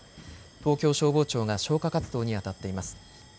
東京消防庁が消火活動に当たっています。